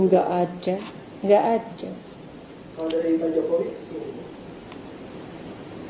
di partisi ini ada arahan gitu bu